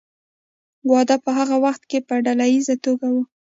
واده په هغه وخت کې په ډله ایزه توګه و.